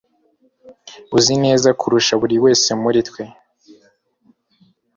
Uzi neza kurusha buri wese muri twe.